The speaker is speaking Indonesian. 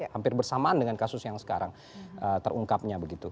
hampir bersamaan dengan kasus yang sekarang terungkapnya begitu